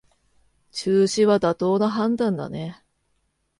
中止は妥当な判断だね